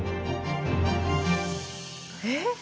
えっ？